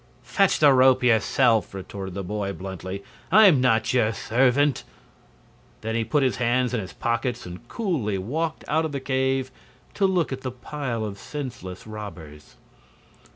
"Fetch the rope yourself!" retorted the boy, bluntly. "I'm not your servant." Then he put his hands in his pockets and coolly walked out of the cave to look at the pile of senseless robbers.